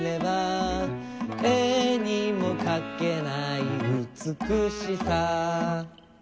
「えにもかけないうつくしさ」